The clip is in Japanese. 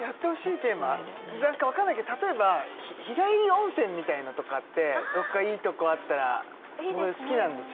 何かわかんないけど例えば日帰り温泉みたいのとかってどこかいいとこあったら好きなんですよ